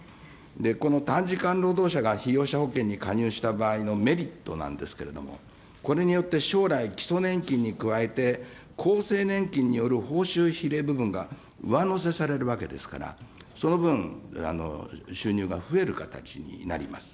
この短時間労働者が被用者保険に加入した場合のメリットなんですけれども、これによって将来、基礎年金に加えて厚生年金による報酬比例部分が上乗せされるわけですから、その分、収入が増える形になります。